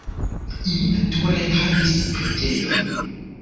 Ili nature havis preĝejon.